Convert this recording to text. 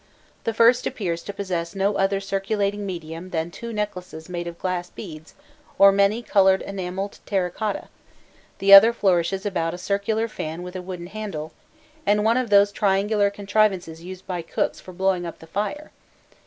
The first appears to possess no other circulating medium than two necklaces made of glass beads or many coloured enamelled terra cotta; the other flourishes about a circular fan with a wooden handle, and one of those triangular contrivances used by cooks for blowing up the fire.